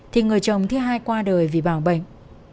thì người chồng thứ hai qua đời vì bảo bệnh